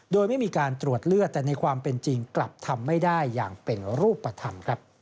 โดยไม่มีการตรวจเลือดแต่ในความเป็นจริงกลับทำไม่ได้อย่างเป็นรูปธรรม